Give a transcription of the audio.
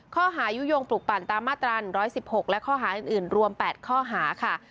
ยุโยงปลูกปั่นตามมาตรา๑๑๖และข้อหาอื่นรวม๘ข้อหาค่ะ